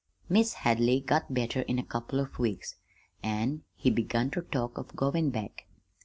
"Mis' Hadley got better in a couple of weeks, an' he begun ter talk of goin' back.